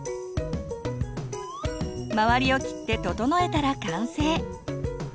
周りを切って整えたら完成。